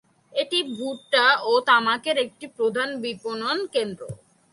এটি ভুট্টা ও তামাকের একটি প্রধান বিপণন কেন্দ্র।